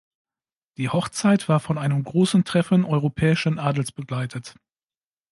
Die Hochzeit war von einem großen Treffen europäischen Adels begleitet.